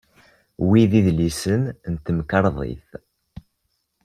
Wi d idlisen n temkarḍit?